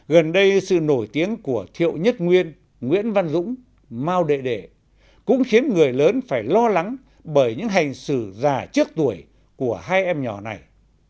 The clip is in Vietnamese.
gần đây sự nổi tiếng của thiệu nhất nguyên nguyễn văn dũng mao đệ đệ cũng khiến người lớn phải lo lắng bởi những hành xử già trước tuổi của hai em nhỏ này